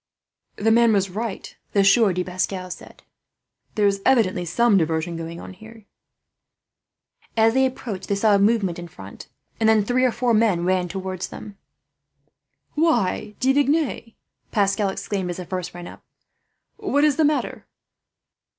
"The man was right," the Sieur de Pascal said. "There is evidently some diversion going on here." As they approached they saw a movement in front, and then three or four men ran towards them. "Why, De Vignes," De Pascal exclaimed, as the first ran up, "what is the matter?"